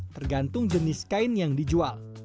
tergantung jenis kain yang dijual